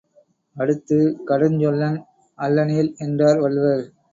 அடுத்து, கடுஞ்சொல்லன் அல்லனேல் என்றார் வள்ளுவர்.